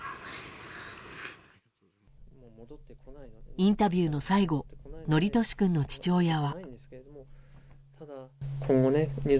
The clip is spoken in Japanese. インタビューの最後規稔君の父親は。